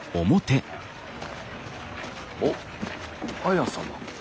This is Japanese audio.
おっ綾様。